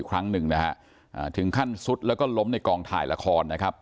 ครั้งหนึ่งนะฮะถึงขั้นซุดแล้วก็ล้มในกองถ่ายละครนะครับ